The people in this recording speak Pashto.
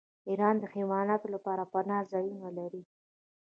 ایران د حیواناتو لپاره پناه ځایونه لري.